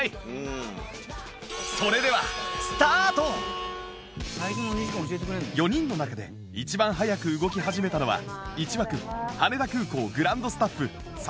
それでは４人の中で一番早く動き始めたのは１枠羽田空港グランドスタッフ佐藤さん。